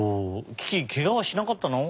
キキけがはしなかったの？